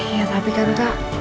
ya tapi kan kak